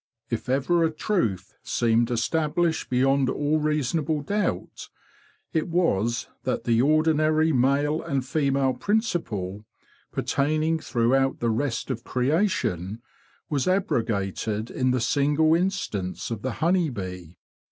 If ever a truth seemed established beyond all reasonable doubt, it 148 THE BEE MASTER OF WARRILOW was that the ordinary male and female principle, pertaining throughout the rest of creation, was abrogated in the single instance of the honey bee.